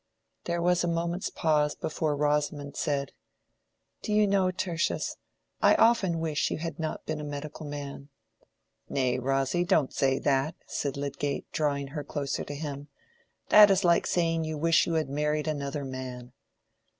There was a moment's pause before Rosamond said, "Do you know, Tertius, I often wish you had not been a medical man." "Nay, Rosy, don't say that," said Lydgate, drawing her closer to him. "That is like saying you wish you had married another man."